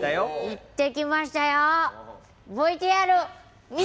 行ってきましたよ。